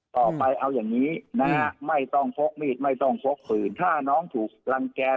ต่อไปเอาอย่างนี้นะฮะไม่ต้องพกมีดไม่ต้องพกปืนถ้าน้องถูกรังแกน